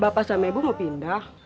bapak sama ibu mau pindah